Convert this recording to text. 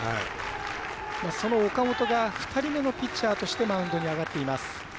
その岡本が２人目のピッチャーとしてマウンドに上がっています。